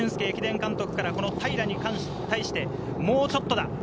駅伝監督から平に対してもうちょっとだ！